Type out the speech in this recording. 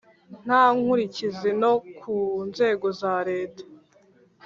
Nta nkurikizi no ku nzego za Leta